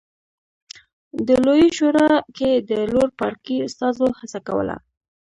د لویې شورا کې د لوړ پاړکي استازو هڅه کوله